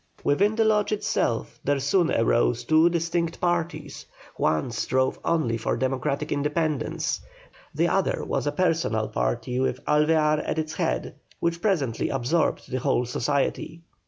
Within the Lodge itself there soon arose two distinct parties, one strove only for democratic independence, the other was a personal party with Alvear at its head, which presently absorbed the whole society.